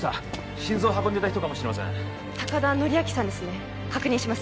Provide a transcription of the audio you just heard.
心臓運んでた人かもしれません高田憲明さんですね確認します